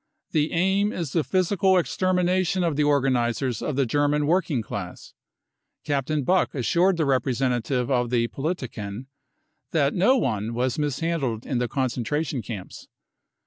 The aim is the physical extermination of the organisers of the German working class. Captain Buck assured the representative of the Politiken that no one was mishandled in the concentration camps.